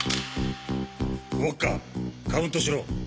ウォッカカウントしろ。